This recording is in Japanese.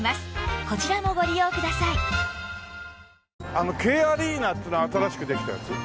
あのＫアリーナっていうのは新しくできたやつ？